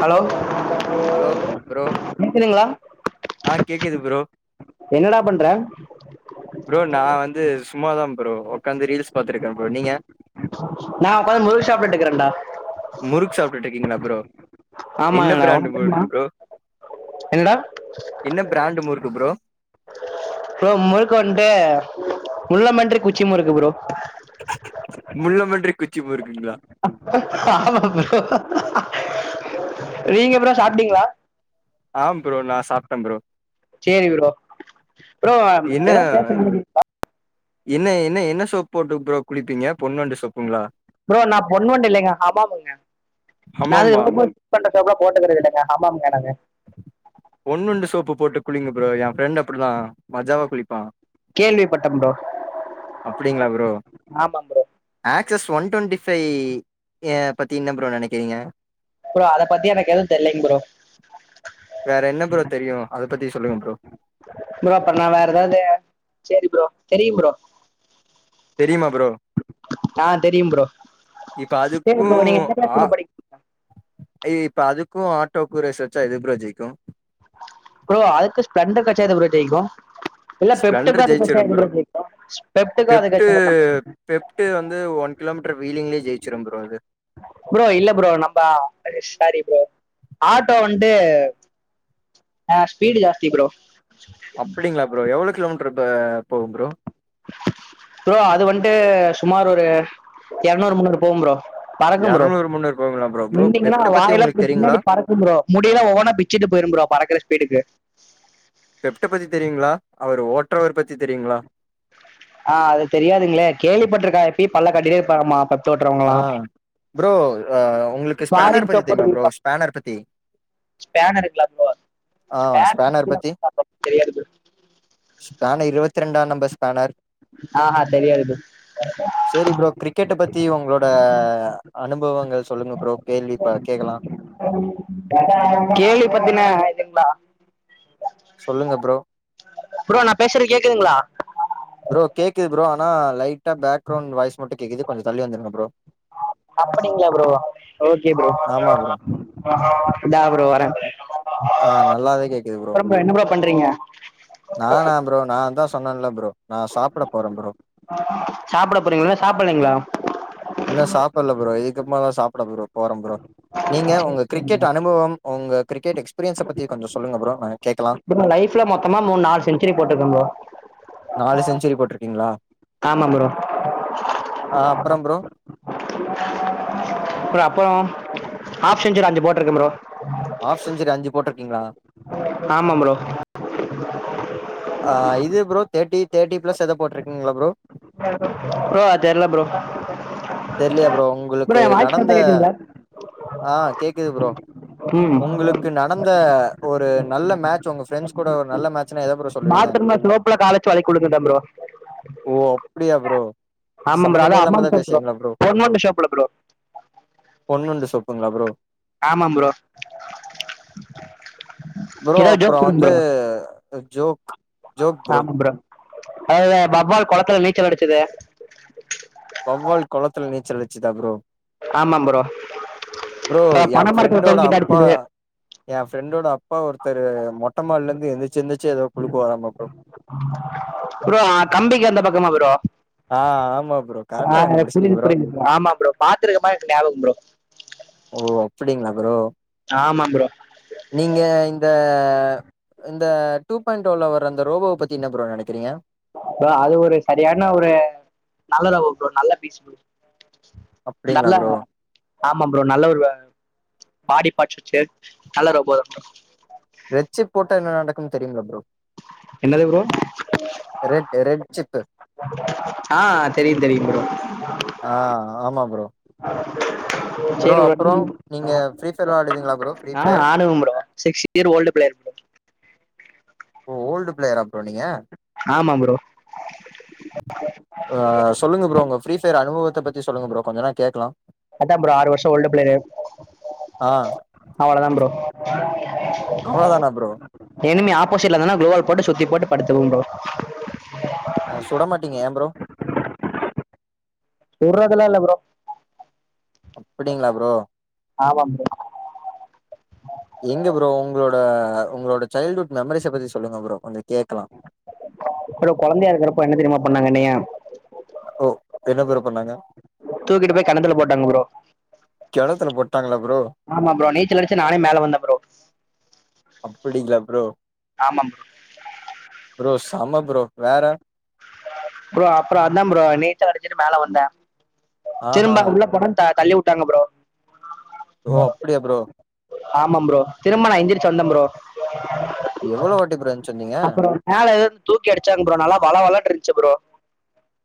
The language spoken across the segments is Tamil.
ஹலோ ஹலோ ப்ரோ கேக்குதுங்களா ஆ கேக்குது ப்ரோ என்னடா பண்ற ப்ரோ நா வந்து சும் தான் ப்ரோ ஒக்காந்து ரீல்ஸ் பாத்துருக்க ப்ரோ நீங்க நா ஒக்காந்து முறுக் சாப்ட்டுட்ருக்கேன்டா முறுக் சாப்ட்டுட்டு இருக்கீங்களா ப்ரோ என்ன ஆமாங்கடா உனக்கு பிராண்டு் தெரியுமா முறுக்கு ப்ரோ என்னடா என்ன பிராண்டு முறுக்கு ப்ரோ ப்ரோ முறுக்கு வந்து முள்ளம்பன்றி குச்சி முறுக்கு ப்ரோ முள்ளம்பன்றி குச்சி முறுக்குங்களா ஆமா ப்ரோ நீங்க ப்ரோ சாப்ட்டீங்களா ஆ ப்ரோ நா சாப்ட்ட ப்ரோ சேரி ப்ரோ ப்ரோ என்ன எதா பேச என்ன என்ன என்ன சோப்பு போட்டு ப்ரோ குளிப்பீங்க பொன் வண்டு சோப்புங்களா ப்ரோ நா பொன் வண்டு இல்லைங்க ஹமாமுங்க நா அதுக்கு ஆமாமா ரோபட் வண்டு சோப்புலா போட்டுக்கறது இல்லங்க ஹமாம்ங்க நாங்க பொன்வண்டு சோப்பு போட்டு குளிங்க ப்ரோ ஏ ஃப்ரெண்டு அப்டிதா மஜாவா குளிப்பா கேள்விப்பட்டம் ப்ரோ அப்டிங்களா ப்ரோ ஆமா bro access one twenty five ஏ பத்தி என்ன ப்ரோ நெனக்கிறீங்க ப்ரோ அத பத்தி எனக்கு எதுவு தெர்லங் ப்ரோ வேற என்ன ப்ரோ தெரியு அத பத்தி சொல்லுங்க ப்ரோ ப்ரோ அப்ற நா வேற ஏதாவது சேரி ப்ரோ தெரியு ப்ரோ தெரியுமா ப்ரோ ஆ தெரியும் ப்ரோ இப்ப சேரி அதுக்கு ப்ரோ நீங்க எந்த கிளாஸ் ஆ ப்ரோ படிக்கிறீங்க ஐ இப்ப அதுக்கு ஆட்டோக்கு ரேஸ் வச்சா எது ப்ரோ ஜெயிக்கு ப்ரோ அதுக்கு ஸ்ப்ளெண்டர்க்கு வச்சா எது ப்ரோ ஜெயிக்கு இல்ல பெப்ட்டுக்கு ஸ்ப்ளெண்டர் அதுக்கு வச்சா ஜெயிச்சிரும் எது ப்ரோ ஜெயிக்கு பெப்ட்டுக்கு அதுக்கு பெப்ட்டு வச்சா என்ன பெப்ட்டு வந்து ஒன் கிலோ மீட்டர் வீலிங்க்லேயே ஜெயச்சிரு ப்ரோ அது ப்ரோ இல்ல ப்ரோ நம்ப அது சாரி ப்ரோ ஆட்டோ வந்து ஆ ஸ்பீடு ஜாஸ்தி ப்ரோ அப்டிங்களா ப்ரோ எவ்வளோ கிலோ மீட்டர் பே போகு ப்ரோ ப்ரோ அது வந்து சுமார் ஒரு எரநூறு முன்னூறு போவு ப்ரோ பறக்கும் ப்ரோ எரநூறு முன்னூறு போகுங்களா ப்ரோ ப்ரோ நீண்டீங்கன்னா பெப்ட்ட பத்தி வாய்லா இப்டி உங்களுக்கு தெரியுங்களா பின்னாடி பறக் கும் முடியெல்லா ஒவ்வொன்னா பிச்சட்டு போயிரு ப்ரோ பறக்குற ஸ்பீடுக்கு பெப்ட்ட பத்தி தெரியுங்களா அவர் ஓட்டுறவர் பத்தி தெரியுங்களா ஆ அது தெரியாதுங்களே கேள்விப்பட்ருக்க இப்டி பல்ல காட்டிட்டே நா மா பெப் ஆ ப்ரோ ஆ உங்களுக்கு ஸ்பானர் ஃபாரின் பத்தி தெரியுமா ப்ரோ ஸ்பானர் பத்தி ஸ்பேனருங்களா ப்ரோ ஆ ஸ்பேனர் பத்திலா பத்தி [inaudible] தெரியாது ப்ரோ ஸ்பேனர் இருவத்தி ரெண்டாம் நம்பர் ஸ்பேனர் ஆஹா தெரியது [unintelligible] அ அனுபவங்கள் சொல்லுங்க ப்ரோ கேள்விப்ப கேக்கலா கேள்வி பத்தின இதுங்ளா சொல்லுங்க ப்ரோ ப்ரோ நா பேசறது கேக்குதுங்ளா ப்ரோ கேக்குது ப்ரோ அனா லைட்டா பேக்ரவுண்ட் வாய்ஸ் மட்டு கேக்குது கொஞ்சோ தள்ளி வந்துருங்க ப்ரோ அப்படிங்களா ப்ரோ ஹலோ கேக்குதா ஆமா ப்ரோ இதா ப்ரோ வர ஆ நல்லாவே கேக்குது அப்பறோ ப்ரோ என்ன ப்ரோ பண்றீங்க நானா ப்ரோ நா தா சொன்னல்ல ப்ரோ நா சாப்பட போற ப்ரோ சாப்பிட போறீங்களா சாப்பிடலைங்களா இன்னு சாப்பட்ல ப்ரோ இதுக்குகப்பமா தா சாப்பட ப்ரோ போற ப்ரோ நீங்க உங்க கிரிக்கெட் அனுபவம் உங்க கிரிக்கெட் எக்ஸ்பீரியன்ஸ பத்தி கொஞ்சோ சொல்லுங்க பரோ நாங்க கேக்கலா இப்ப லைப்ல மொத்தமா மூன் நாளு செஞ்சுரி போட்ருக்க ப்ரோ நாலு செஞ்சுரி போட்ருக்கிங்ளா ஆமா ப்ரோ ஆ அப்பறோ ப்ரோ [inaudible] ப்ரோ அப்பறோ ஆப்ஷன் [unintelligible] அஞ்சு போட்ருக்க ப்ரோ ஆப் செஞ்சுரி அஞ்சு போட்ருக்கிங்ளா ஆமா ப்ரோ ஆ இது ப்ரோ தேட்டி தேட்டிபிளஸ் எதோ போட்ருக்கீங்களா ப்ரோ ப்ரோ அது தெர்ல ப்ரோ தெர்லியா ப்ரோ ப்ரோ உங்களுக்கு என் வாய்ஸ் நடந்த கரெக்டா கேக்குதுங்களா ஆ கேக்குது ப்ரோ ம் உங்குளுக்கு நடந்த ஒரு நல்ல மேட்ச் உங்க ஃரெண்ட்ஸ் கூட ஒரு நல்ல மேட் மாத்திரமா ஸ்லோப்ல கால வெச்சு வழுக்கி உழுந்துட்ட ப்ரோ ஓ அப்படியா ப்ரோ சமந்தமே இல்லாம எதோ பேசுறீங்களா ப்ரோ கவர்மெண்ட் ஷாப்புல ப்ரோ பொன்னுண்டு சொப்புங்களா ப்ரோ ஆமா ப்ரோ ப்ரோ ஏதாவது அப்பறோ ஜோக் வந்து ஜோக் ஆமா ப்ரோ அதுல வவ்வால் கொளத்துல நீச்சல் அடிச்சது வவ்வால் கொளத்துல நீச்சல் அடிச்சுதா ப்ரோ ஆமா ப்ரோ ப்ரோ அப்புறம் ஏ பனை மரத்தில் ஃப்ரெண்டோட தொங்கிட்டு அப்பா அடிச்சது ஏ ஃப்ரெண்டோட அப்பா ஒருத்தரு மொட்ட மாடில இருந்து எந்திரிச்சி எந்திரிச்சி எதோ குழுக்குவாராம ப்ரோ ப்ரோ அ கம்பிக்கு அந்த பக்கமா ப்ரோ ஆ ஆமா ப்ரோ ஆ கரெக்டா புரிது கண்டுபிடிச்சிட்டீங்க ப்ரோ புரிது [inaudible] ஆமா ப்ரோ பாத்துருக்க மாரி எனக்கு ஞாபகோ ப்ரோ ஓ அப்படிங்களா ப்ரோ ஆமா ப்ரோ நீங்க இந்த இந்த டூ பாயிண்ட் ஒன்ல வர அந்த ரோபோவ பத்தி என்ன ப்ரோ நெனைக்கறீங்க ப்ரோ அது ஒரு சரியான ஒரு நல்ல லவ் ப்ரோ நல்ல பீஸ் ப்ரோ அப்டிங்களா நல்ல ப்ரோ? ஆமா ப்ரோ நல்ல ஒரு பாடி பார்ட் வச்சி நல்ல ரோபோ ரெட் சிப் போட்ட என்ன நடக்கும்னு தெரியுங்களா ப்ரோ என்னது ப்ரோ ரெட் ரெட் சிப் ஆ தெரியு தெரியு ப்ரோ ஆ ஆமா ப்ரோ ப்ரோ செரி ஒரு அப்புறம் நிம் நீங்க ஃப்ரீ ஃபயர் வெளாடுவீங்களா ப்ரோ? ஃப்ரீ ஆ ஃபயர். ஆடுவா bro six year old player bro ஓ ஓல்டு பிளேயரா ப்ரோ நீங்க ஆமா ப்ரோ ஆ சொல்லுங்க ப்ரோ உங்க ஃப்ரீஃபயர் அனுபவத்த பத்தி சொல்லுங்க ப்ரோ கொஞ்ச நேர கேட்கலா அதா தா பரோ ஆறு வருஷ ஓல்டு பிளேயர் ஆ அவ்ளதா ப்ரோ அவ்ளதான ப்ரோ இனிமி ஆப்போசிட்ல இருந்தான்னா குளோவால் சுத்தி போட்டு படுத்துப்ப ப்ரோ அ சுட மாட்டீங்க ஏய ப்ரோ சுட்றதுலா இல்ல ப்ரோ அப்டிங்களா ப்ரோ ஆமாம் ப்ரோ எங்க ப்ரோ உங்களோட உங்களோட சைல்டுவுட் மெமரிஸ பத்தி சொல்லுங்க ப்ரோ கொஞ்ச கேட்கலா ப்ரோ கொழந்தயா இருக்குறப்ப என்ன தெரியுமா பண்ணாங்க என்னயா ஓ என்ன ப்ரோ பண்ணாங்க தூக்கிட்டு போய் கெணத்துல போட்டாங்க ப்ரோ கெணத்துல போட்டாங்களா ப்ரோ ஆமா ப்ரோ நீச்சலடிச்சி நானே மேல வந்த ப்ரோ அப்டிங்களா ப்ரோ ஆமாம் ப்ரோ ப்ரோ சம ப்ரோ வேற ப்ரோ அப்றோ அதா ப்ரோ நீச்சலடிச்சிட்டு மேல வந்த ஆஹா திரும்ப உள்ள போன தள்ளி விட்டாங்க ப்ரோ ஓ அப்டியா ப்ரோ ஆமாம் ப்ரோ திரும்ப நா எந்ரிச்சு வந்த ப்ரோ எவ்வளோ வாட்டி ப்ரோ இருந்துச்சு வந்தீங்க அப்பறோ மேல எதோ தூக்கி அடிச்சாங்க ப்ரோ நல்லா வேல வளண்டு இருந்துச்சு ப்ரோ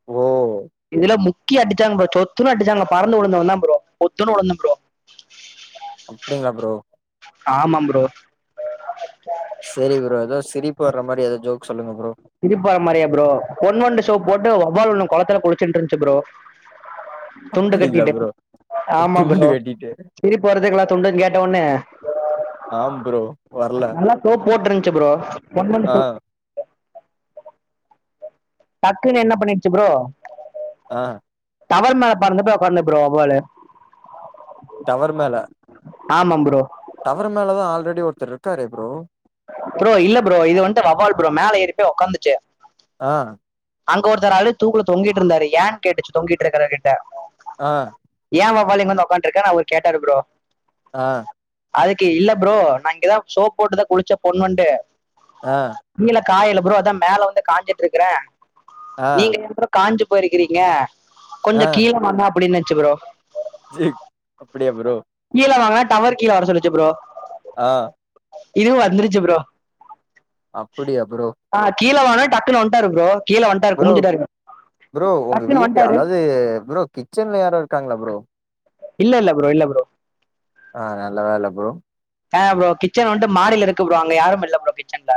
ஓ இதுல முக்கி அடிச்சாங்க சொத்துன்னு அடிச்சாங்க பறந்து உழுந்தவ தா ப்ரோ பொத்துன்னு உழுந்த ப்ரோ அப்டிங்களா ப்ரோ ஆமாம் ப்ரோ சரி ப்ரோ ஏதோ சிரிப்பு வர்ற மாதிரி எதோ ஜோக் சொல்லுங்க ப்ரோ சிரிப்பு வர மாதிரியா ப்ரோ பொன்வண்டு சோப் போட்டு வவ்வால் ஒன்னு கொளத்துல குளிச்சுட்டு இருந்துச்சு ப்ரோ துண்டு அப்டிங்களா கட்டிட்டு ப்ரோ ஆமா துண்டு ப்ரோ கட்டிட்டு சிரிப்பு வருதுங்களா துண்டுன்னு கேட்ட ஒன்னே [unintelligible] ஆம் ப்ரோ வர்ல நல்லா சோப் போட்டுருந்துச்சு ப்ரோ ஒன் மந்த் டக்குன்னு என்ன பண்ணிடுச்சு ப்ரோ ஆ டவர் மேல பறந்து போய் உட்காந்து ப்ரோ வெவ்வாள்ளு டவர் மேல ஆமா ப்ரோ டவர் மேல தா ஆல்ரெடி ஒருத்தர் இருக்காரே ப்ரோ ப்ரோ இல்ல ப்ரோ இது வந்துட்டு வவ்வால் ப்ரோ மேல ஏறிப்போ ஒக்காந்சே அ அங்க ஒருத்தரு ஆழு தூக்குல தொங்கிட்ருந்தாரு யேன் கேட்டுச்சு தொங்கிட்ருக்கிறவர் கிட்ட அ ஏ வவ்வால் இங்க வந்து ஒக்காந்ட்ருக்க அவரு கேட்டாரு ப்ரோ அ அதுக்கு இல்ல ப்ரோ நா இங்கதா சோப் போட்டுதா குளிச்ச பொண் வண்டு அ கீழ காயில ப்ரோ அதா மேல வந்து காஞ்சிட்ருக்கற ஆ நீங்க என்ற காஞ்சு போயிருக்கிறீங்க கொஞ்ச கீழ வந்தா அப்டின்னுச்சு ப்ரோ சே அப்படியா ப்ரோ கீழ வாங்க டவர் கீழ வர சொல்லுச்சு ப்ரோ ஆ இதுவு வந்துருச்சி ப்ரோ அப்படியா ப்ரோ ஆ கீழ வானா டக்குனு வண்டாரு ப்ரோ கீழ வண் ப்ரோ ப்ரோ ஒங்க வீட்டு வந்துட்டாரு அதாது ப்ரோ கிச்சன்ல யாரோ இருக்காங்களா ப்ரோ இல்ல இல்ல ப்ரோ இல்ல ப்ரோ ஆநல்ல வேல ப்றோ தாயோ ப்ரோ கிச்சன் வந்ட்து மாடியில இருக்கு ப்ரோ அங்க யாரு இல்ல ப்ரோ கிச்சன்ல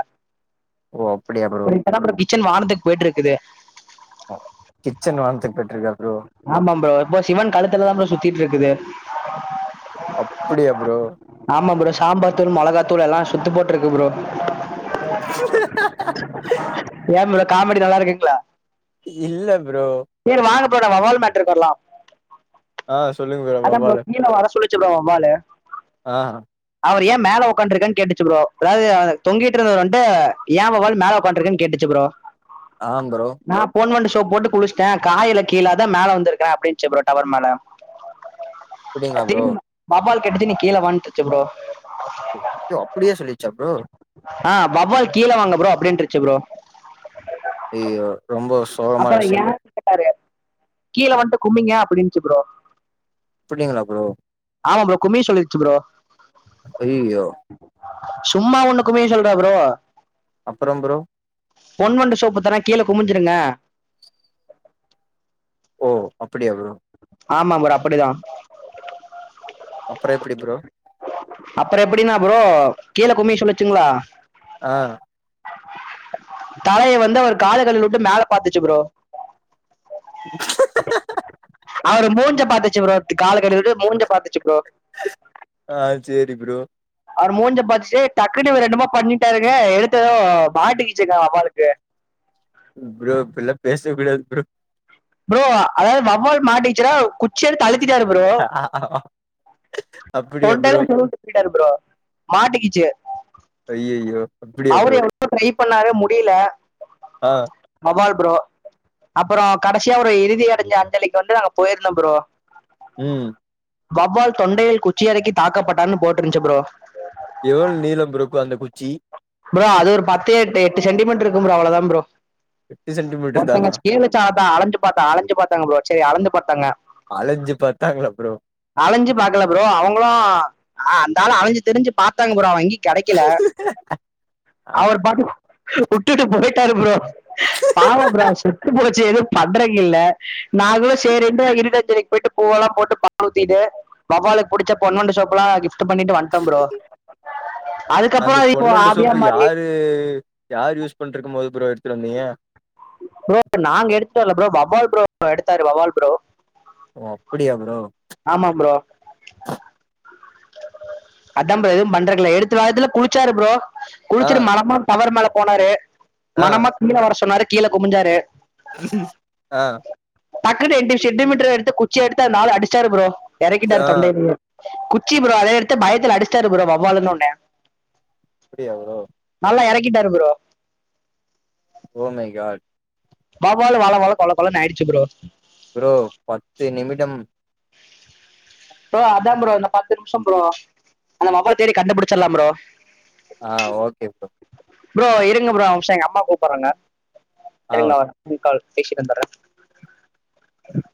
ஓ அப்டியா ப்ரோ அதா கிச்சன் வாானத்துக் போயிட்ருக்குது கிச்சன் வான்த்க் போயிட்டுக்கா ப்ரோ ஆமா ப்ரோ இப்போ சிவன் கழுத்துலதா ப்ரோ சுத்திட்ருக்குது அப்படியா ப்ரோ ஆமா ப்ரோ சாம்பார் தூள் மெளகாத்தூள் எல்லா சுத்து போட்டுருக்கு ப்ரோ ஏ ப்ரோ காமெடி நல்லா இருக்குங்களா இல்ல ப்ரோ ய வாங்க ப்ரோ வவ்வால் மேட்ருக்கு வர்லா ஆ சொல்லுங்க அதாம் ப்ரோ வவ்வாலு கீழ வர சொல்லிச்சு ப்ரோ வவ்வாலு ஆ அவரு ஏ மேல உக்காண்ருக்கன் கேட்டுச்சு ப்ரோ அதாது தொங்கிட்ருந்தவர் வந்ட்டு ய வவ்வால் மேல உக்காருக்கன் கேட்டுச்சு ப்ரோ அம்மா ஆம் ப்ரோ நா பொன் வண்டு சோப்பு போட்டு குளிச்சிட்ட காயல கீழ மேல வந்திருக்க அப்டின்ச்சு ப்ரோ டவர் மேல அப்டிங்களா ப்ரோ திரும் வவ்வால் கேட்டுச்சி நீ கீழ வானுட்ருச்சு ப்ரோ அப்டியே சொல்லிற்ச்சா ப்ரோ அ வவ்வால் கீழ வாங்க ப்ரோ அப்டின்ட்ருச்சு ப்ரோ அய்யோ ரொம்ப சோகமான விஷ்யம் ப்ரோ கட்டாரு கீழ வந்து கும்மிங்க அப்டின்ச்சு ப்ரோ அப்படிங்களா ப்ரோ ஆமா ப்ரோ குமி சொல்லிருச்சு ப்ரோ அய்யயோ சும்மா ஒண்ணுக்குமே சொல்றா ப்ரோ அப்பறம் ப்ரோ பொன்வண்டு சோப்பு தர கீழ குமிஞ்சிருங்க ஓ அப்டியா ப்ரோ ஆமா ப்ரோ அப்டிதா அப்பற எப்டி ப்ரோ அப்புற எப்டின்னா ப்ரோ கீழ குமிய சொல்லச்சுங்களா ஆ தலையை வந்து அவர் கால கழுவி வுட்டு மேல பாத்துச்சு ப்ரோ [inaudible] அவரு மூஞ்ச பாத்துச்சி ப்ரோ கால கழுவிட்டு மூஞ்ச பாத்துச்சி ப்ரோ ஆ செரி ப்ரோ அவரு மூஞ்ச பாத்துச்சி டக்குன்னு இவுரு என்னமோ பண்ணிட்டாருங்க எடுத்ததோ மாட்டி கீச்சங்கோ வவ்வாளுக்கு ப்ரோ இப்பல்லா பேச கூடாது ப்ரோ ப்ரோ அதாது வவ்வால் மாட்டிச்சின்னா குச்சி எடுத்து அழுத்திட்டாரு ப்ரோ அ தொண்டல்ல சொருவி போய்ட்டாரு ப்ரோ மாட்டிக்கிச்சி ஐயையோ அப்டியா அவுரு ப்ரோ எவளோ ட்ரை பண்ணாரு முடியில ஆ வவ்வால் ப்ரோ அப்புறோ கடைசியா ஒரு இறுதி அடைஞ்ச அஞ்சலிக்கு வந்து நாங்க போயிருந்தோ ப்ரோ ம் வவ்வால் தொண்டையில் குச்சிறைக்கி தாக்கப்பட்டான் போட்டிருந்துச்சி ப்ரோ எவுள நீளம் ப்ரோப்பு அந்த குச்சி ப்ரோ அது ஒரு பத்து எட்டு எட்டு சென்டிமீட்டருக்கு ப்ரோ அவுளதா ப்ரோ எட்டு சென்டி மீட் ஒருத்தங்க ஸ்கேல் வெச்சு அ அலைஞ்சு பாத்தா அலஞ்சு பாத்தாங்க ப்ரோ செரி அளந்து பாத்தாங்க அலைஞ்சு பாத்தாங்களா ப்ரோ அலஞ்சி பாக்கல ப்ரோ அவுங்களு அ அந்தாள அலைஞ்சி திரிஞ்சு பாத்தாங்க ப்ரோ அவுங்கி கெடைக்கல ஆ அவுர் பாட்டு வுட்டுட்டு போய்ட்டாரு ப்ரோ பாவம் ப்ரோ அவ செத்து போச் சி எதுவு பண்றங்ககில்ல நாங்களு செரிண்டு இறுதி அஞ்சலிக்கு போயிட்டு பூவெல்லா போட்டு பால் ஊத்திட்டு வவ்வாலுக்கு புடிச்ச பொன்வண்டு சோப்பல்லா வாங்கி ட்டு பண்ணிட்டு வண்ட ப்ரோ அதுக்கப்பற இப்போ ஆவியா மாரி இது யார் யூஸ் பண்டுருக்கு போது ப்ரோ எடுத்துட்டு வந்தீங்க ப்ரோ நாங்க எடுத்துட்டு வரல ப்ரோ வவ்வால் ப்ரோ எடுத்தாரு வவ்வால் ப்ரோ ஓ அப்டியா ப்ரோ ஆமா ப்ரோ அத ப்ரோ எதுவு பண்றதுக்கில்ல எடுத்து வாரத்துல குளிச்சாரு ப்ரோ ஆ குளிச்சுட்டு மணமா டவர் மேல போனாரு ஆ மனமா கீழ வர சொன்னாரு கீழ குமிஞ்சாரு ஆ டக்குனுட்டு எட்டு சென்டிமீட்டர் எடுத்து குச்சி எடுத்து அந்தாள அடிச்சாரு ப்ரோ எறக்கிட்டாரு தொண்டயிலயே ச்சி ப்ரோ அதையடுத்து பயத்துல அடிச்சாரு ப்ரோ வவ்வாலுனுடனே அப்டியா ப்ரோ நல்லா எறக்கிட்டாரு ப்ரோ ஓ மை காட் வவ்வால்லும் வளவள கொழகொழன்னு ஆயிடுச்சு ப்ரோ ப்ரோ பத்து நிமிடம் ப்ரோ அதா ப்ரோ இந்த பத்து நிமிஷம் ப்ரோ அந்த வவ்வால தேடி கண்டுபிடிச்சிடலா ப்ரோ ஆ ஓகே ப்ரோ ப்ரோ இருங்க ப்ரோ ஒரு நிம்ஷோ எங்க அம்மா கூப்பட்றாங்க ஆ ஓகே இருங்கால் ஒரு கால் பேசிட்டுந்தரே உஹம்